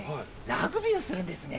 ラグビーをするんですね。